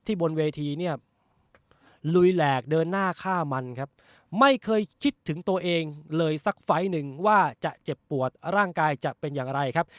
บนเวทีเนี่ยลุยแหลกเดินหน้าฆ่ามันครับไม่เคยคิดถึงตัวเองเลยสักไฟล์หนึ่งว่าจะเจ็บปวดร่างกายจะเป็นอย่างไรครับ